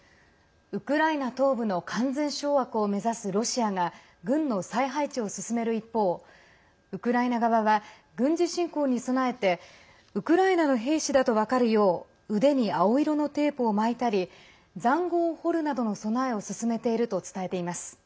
ウクライナ東部の完全掌握を目指すロシアが軍の再配置を進める一方ウクライナ側は軍事侵攻に備えてウクライナの兵士だと分かるよう腕に青色のテープを巻いたりざんごうを掘るなどの備えを進めていると伝えています。